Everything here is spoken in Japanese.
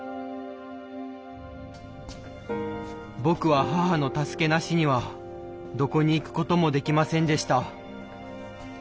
僕は母の助けなしにはどこに行くこともできませんでした。